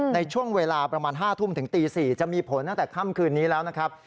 ในช่วงเวลาประมาณ๕ทุ่มถึงตี๔จะมีผลตั้งแต่ค่ำคืนนี้แล้วนะครับ